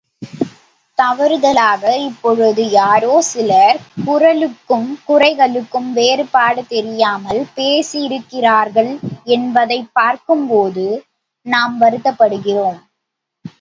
தவறுதலாக இப்பொழுது யாரோ சிலர் குறளுக்கும் குறளைக்கும் வேறுபாடு தெரியாமல் பேசியிருக்கிறார்கள் என்பதைப் பார்க்கும்போது நாம் வருத்தப்படுகிறோம்.